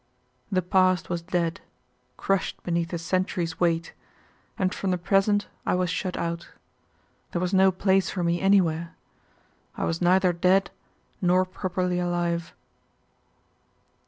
The past was dead, crushed beneath a century's weight, and from the present I was shut out. There was no place for me anywhere. I was neither dead nor properly alive.